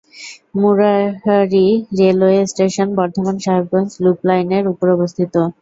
Murarai railway station Bardhaman-Sahebganj loop লাইনের উপর অবস্থিত।